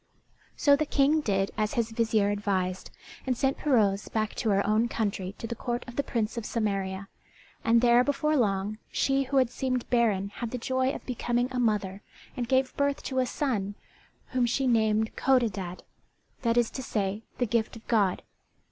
So the King did as his vizier advised, and sent Pirouzè back to her own country to the court of the Prince of Samaria; and there before long she who had seemed barren had the joy of becoming a mother and gave birth to a son whom she named Codadad, that is to say, "the Gift of God."